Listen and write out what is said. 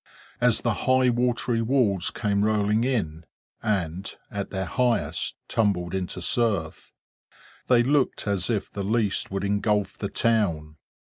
As the high watery walls came rolling in, and, at their highest tumbled into surf, they looked as if the least would ingulf the town.